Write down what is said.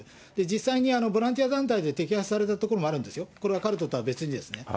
実際にボランティア団体で摘発されたところもあるんですよ、これはカルトとは別にですね。